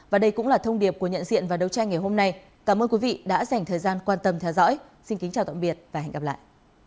và đây cũng là thông điệp của nhận diện và đấu tranh ngày hôm nay cảm ơn quý vị đã dành thời gian quan tâm theo dõi xin kính chào tạm biệt và hẹn gặp lại